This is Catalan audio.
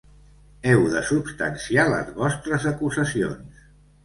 Heu de substanciar les vostres acusacions.